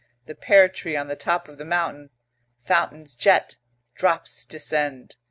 The pear tree on the top of the mountain. Fountains jet; drops descend.